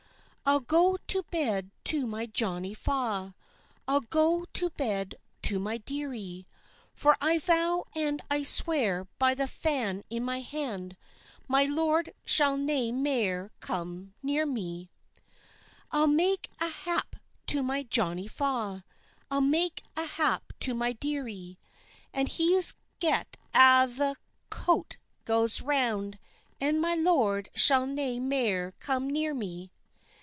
"I'll go to bed to my Johnie Faw, I'll go to bed to my dearie; For I vow and I swear by the fan in my hand, My lord shall nae mair come near me. "I'll mak a hap to my Johnie Faw, I'll mak a hap to my dearie; And he's get a' the coat gaes round, And my lord shall nae mair come near me."